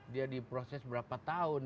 dia diproses berapa tahun